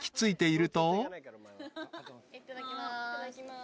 ・いただきます。